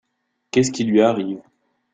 Qu’est-ce qui lui arrive ?